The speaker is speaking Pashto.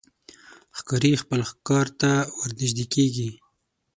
ښکاري خپل ښکار ته ورنژدې کېږي.